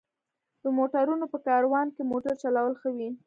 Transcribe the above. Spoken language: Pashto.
د موټرونو په کاروان کې موټر چلول ښه وي.